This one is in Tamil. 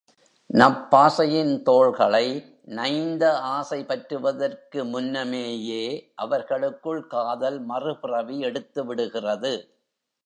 நப்பாசையின் தோள்களை நைந்த ஆசை பற்றுவதற்கு முன்னமேயே அவர்களுக்குள் காதல் மறுபிறவி எடுத்துவிடுகிறது.